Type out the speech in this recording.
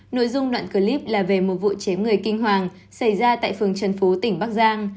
nội dung đoạn clip là về một vụ chế người kinh hoàng xảy ra tại phường trần phú tỉnh bắc giang